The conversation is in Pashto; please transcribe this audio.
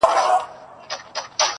که آدم حداي ج رکوز کړې له جنت دې